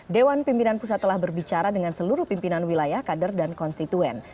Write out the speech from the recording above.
dewan pimpinan pusat telah berbicara dengan seluruh pimpinan wilayah kader dan konstituen